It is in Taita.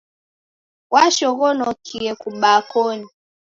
Washoghonokie kubaa koni.